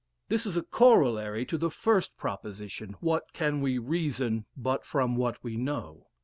This is a corollary to the first proposition, "What can we reason but from what we know?"